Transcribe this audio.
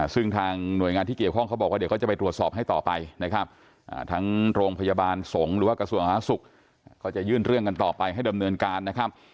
ซึ่งทางหน่วยงานที่เกี่ยวข้องเขาบอกว่าเดี๋ยวเขาจะไปตรวจสอบให้ต่อไปนะครับทั้งโรงพยาบาลสงฆ์หรือว่ากระทรวงสาธารณสุขก็จะยื่นเรื่องกันต่อไปให้ดำเนินการนะครับ